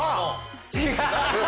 違う！